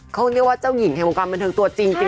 เขาเรียกว่าเจ้าหญิงแห่งโภงกลางบันดับตัวจริงค่ะ